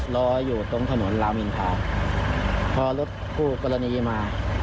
รออยู่ตรงถนนรามอินทาพอรถคู่กรณีมา